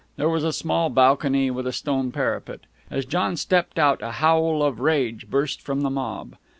There was a small balcony with a stone parapet. As John stepped out, a howl of rage burst from the mob.